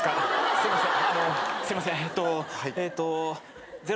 すいません。